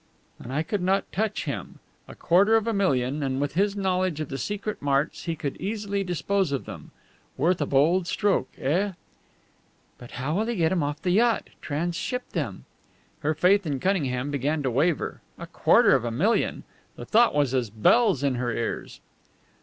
"And I could not touch him. A quarter of a million! And with his knowledge of the secret marts he could easily dispose of them. Worth a bold stroke, eh?" "But how will he get them off the yacht transship them?" Her faith in Cunningham began to waver. A quarter of a million! The thought was as bells in her ears.